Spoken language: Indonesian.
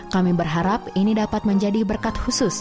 kami berharap ini dapat menjadi berkat khusus